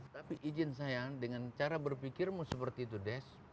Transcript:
tapi izin sayang dengan cara berpikirmu seperti itu des